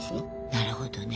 なるほどね。